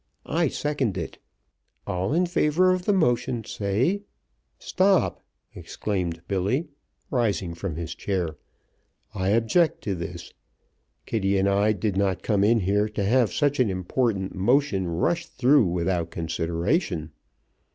I second it. All in favor of the motion say " "Stop!" exclaimed Billy, rising from his chair. "I object to this! Kitty and I did not come in here to have such an important motion rushed through without consideration.